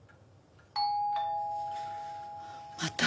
また。